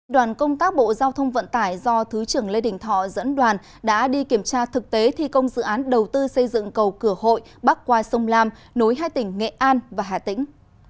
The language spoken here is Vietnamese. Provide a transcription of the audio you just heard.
đoàn công tác bộ giao thông vận tải do thứ trưởng lê đình thọ dẫn đoàn đã đi kiểm tra thực tế thi công dự án đầu tư xây dựng cầu cửa hội bắc qua sông lam nối hai tỉnh nghệ an và hà tĩnh